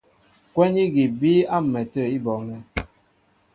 Kwɛ́n igi í bííy á m̀mɛtə̂ í bɔɔŋɛ́.